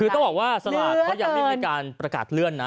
คือต้องบอกว่าสลากเขายังไม่มีการประกาศเลื่อนนะ